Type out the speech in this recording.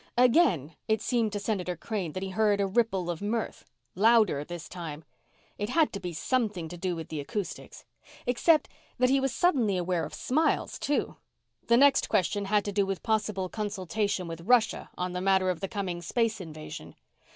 Again it seemed to Senator Crane that he heard a ripple of mirth louder this time. It had to be something to do with the acoustics. Except that he was suddenly aware of smiles, too. The next question had to do with possible consultation with Russia on the matter of the coming space invasion.